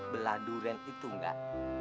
belah durian itu enggak